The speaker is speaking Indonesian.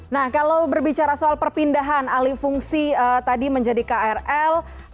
nah kalau berbicara soal perpindahan alifungsi tadi menjadi krl